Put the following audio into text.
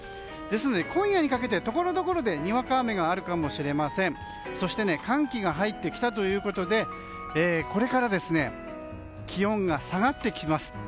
今夜にかけてところどころでにわか雨があるかもしれません寒気が入ってきたということでこれから気温が下がってきます。